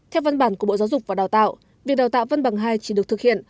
theo văn bản của bộ giáo dục và đào tạo việc đào tạo văn bằng hai chỉ được thực hiện